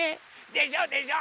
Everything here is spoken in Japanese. でしょ？でしょ？